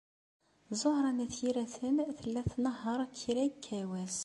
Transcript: Ẓuhṛa n At Yiraten tella tnehheṛ kra yekka wass.